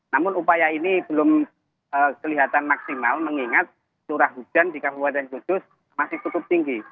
namun upaya ini belum kelihatan maksimal mengingat curah hujan di kabupaten kudus masih cukup tinggi